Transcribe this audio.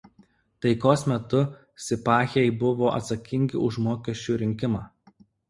Taikos metu sipahiai buvo atsakingi už mokesčių rinkimą.